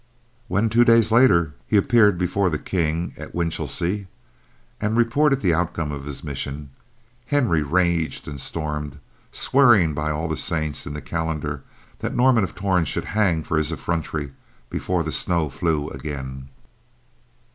When, two days later, he appeared before the King at Winchelsea and reported the outcome of his mission, Henry raged and stormed, swearing by all the saints in the calendar that Norman of Torn should hang for his effrontery before the snow flew again.